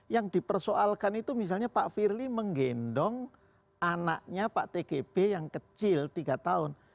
yang dipersoalkan itu misalnya pak firly menggendong anaknya pak tgb yang kecil tiga tahun